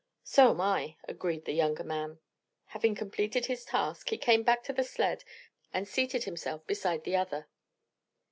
"So am I," agreed the younger man. Having completed his task, he came back to the sled and seated himself beside the other.